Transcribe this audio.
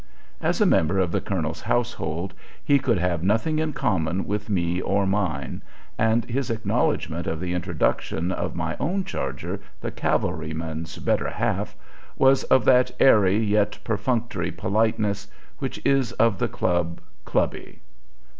As a member of the colonel's household he could have nothing in common with me or mine, and his acknowledgment of the introduction of my own charger the cavalryman's better half was of that airy yet perfunctory politeness which is of the club clubby.